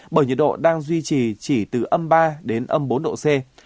bởi nhiệt độ đang duy trì chỉ từ âm ba đến âm bốn độ c